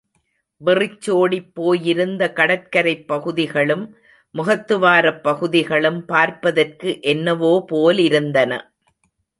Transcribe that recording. வெறிச்சோடிப் போயிருந்த கடற்கரைப் பகுதிகளும், முகத்துவாரப் பகுதிகளும் பார்ப்பதற்கு என்னவோ போலிருந்தன.